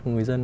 của người dân